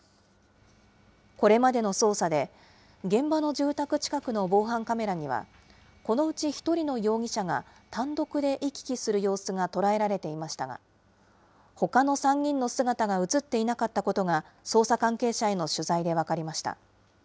これまでの捜査で、現場の住宅近くの防犯カメラには、このうち１人の容疑者が単独で行き来する様子が捉えられていましたが、ほかの３人の姿が写っていなかったことが、捜査関係者への取材で分かりました。